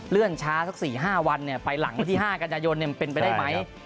เลื่อนช้าสัก๔๕วันไปหลังวันที่๕กันยนต์เป็นไปได้ไหม